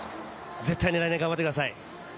絶対に来年、頑張ってください！